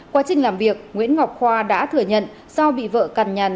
qua trình làm việc nguyễn ngọc khoa đã thừa nhận do bị vợ cằn nhằn